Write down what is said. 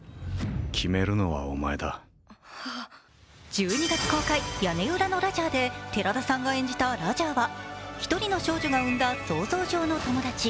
１２月公開「屋根裏のラジャー」で寺田さんが演じたラジャーは１人の少女が生んだ想像上の友達。